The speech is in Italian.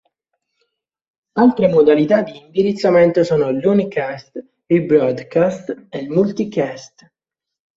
Altre modalità di indirizzamento sono l'unicast, il broadcast e il multicast.